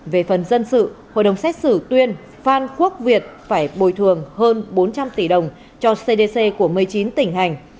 về phần dân sự hội đồng xét xử tuyên phan quốc việt phải bồi thường hơn bốn trăm linh tỷ đồng cho cdc của một mươi chín tỉnh hành